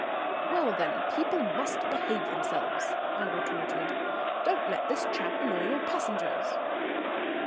"Well, then, people must behave themselves," I retorted. "Don't let this chap annoy your passengers."